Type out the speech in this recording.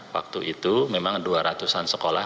waktu itu memang dua ratusan sekolah